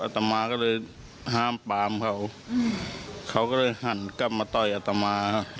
ตมาก็เลยห้ามปามเขาเขาก็เลยหันกลับมาต่อยอัตมา